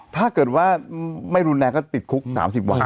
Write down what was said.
ถ้าไม่รุนไงก็ติดคุก๓๐วัน